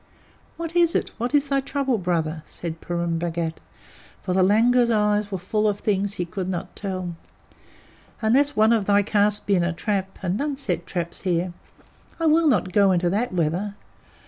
"What is it? What is thy trouble, Brother?" said Purun Bhagat, for the langur's eyes were full of things that he could not tell. "Unless one of thy caste be in a trap and none set traps here I will not go into that weather.